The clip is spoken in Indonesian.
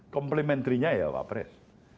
komplementrinya ya pak pres